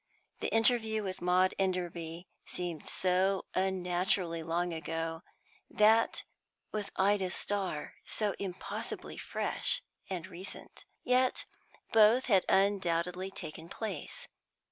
The interview with Maud Enderby seemed so unnaturally long ago; that with Ida Starr, so impossibly fresh and recent. Yet both had undoubtedly taken place.